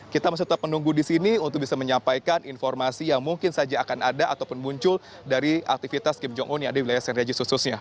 kita masih tetap menunggu di sini untuk bisa menyampaikan informasi yang mungkin saja akan ada ataupun muncul dari aktivitas kim jong un yang ada di wilayah st regis khususnya